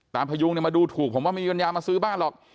ตาพยุงเนี่ยมาดูถูกผมว่ามีเงินยามมาซื้อบ้านหรอก